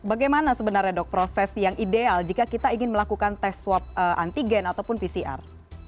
bagaimana sebenarnya dok proses yang ideal jika kita ingin melakukan tes swab antigen ataupun pcr